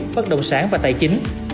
bất động sản và tài chính